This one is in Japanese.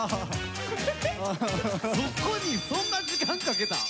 そこにそんな時間かけたん？